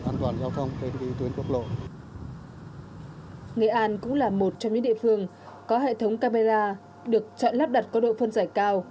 nghệ an cũng là một trong những địa phương có hệ thống camera được chọn lắp đặt có độ phân giải cao